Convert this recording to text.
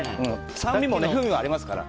酸味も風味もありますから。